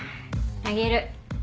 あげる。